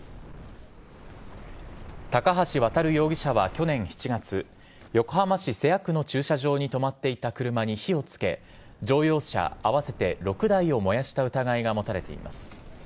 高橋渉容疑者は去年７月横浜市瀬谷区の駐車場に止まっていた車に火をつけ乗用車合わせて６台を燃やした疑いが持たれています。